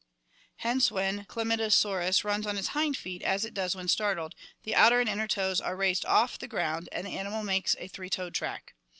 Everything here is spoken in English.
Hence when Cidamydosaurus runs on its hind feet, as it does when startled, the outer and inner toes are raised off the ground and the animal makes a three toed track.